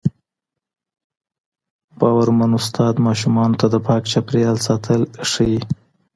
باورمن استاد ماشومانو ته د پاک چاپېریال ساتل ښووي.